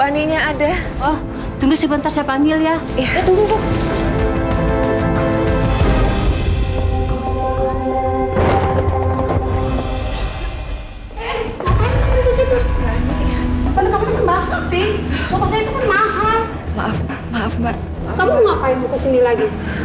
kamu ngapain mau ke sini lagi